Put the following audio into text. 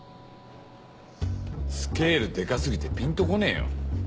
スケールデカ過ぎてピンと来ねえよ。